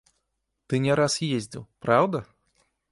Ты не раз ездзіў, праўда?